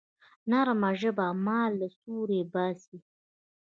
نرمه ژبه مار له سوړي باسي